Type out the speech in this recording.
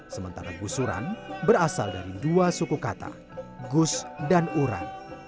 sementara gusuran berasal dari dua suku kata gus dan uran